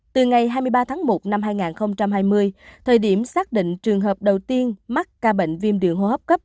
từ ngày hai mươi ba tháng một năm hai nghìn hai mươi thời điểm xác định trường hợp đầu tiên mắc ca bệnh viêm đường hô hấp cấp